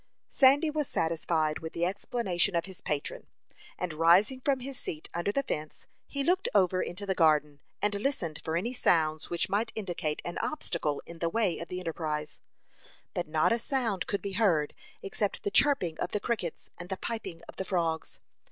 Sandy was satisfied with the explanation of his patron, and rising from his seat under the fence, he looked over into the garden, and listened for any sounds which might indicate an obstacle in the way of the enterprise; but not a sound could be heard except the chirping of the crickets and the piping of the frogs.